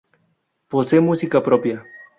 Posee música propia.